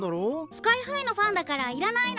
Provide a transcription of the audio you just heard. スカイハイのファンだからいらないの。